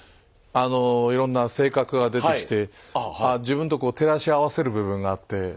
あのいろんな性格が出てきて自分とこう照らし合わせる部分があって。